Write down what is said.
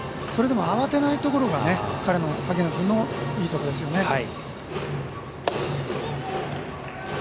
それでも慌てないところが萩野君のいいところですよね。